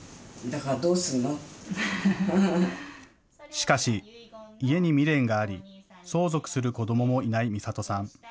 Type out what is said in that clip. しかし、家に未練があり相続する子どももいないみさとさん。